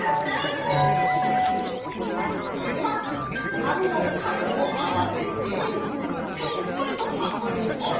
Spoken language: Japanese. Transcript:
まずかみのかどをあわせてぴったりとはんぶんにおる！